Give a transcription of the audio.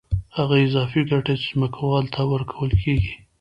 هغه اضافي ګټه چې ځمکوال ته ورکول کېږي